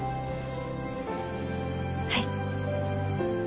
はい。